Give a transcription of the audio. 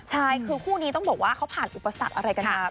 ใช่คือคู่นี้ต้องบอกว่าเขาผ่านอุปสรรคอะไรกันมา